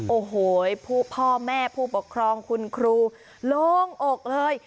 โอ้โหพ่อแม่ผู้ปกครองคุณครูโล่งอกเลย